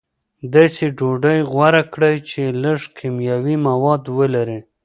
داسې ډوډۍ غوره کړئ چې لږ کیمیاوي مواد ولري.